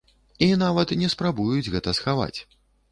І нават не спрабуюць гэта схаваць.